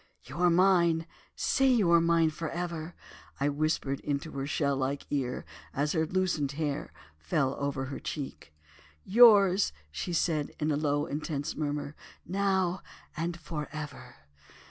'You are mine, say you are mine for ever!' I whispered into her shell like ear as her loosened hair fell over her cheek. "'Yours,' she said in a low intense murmur, 'now and for ever.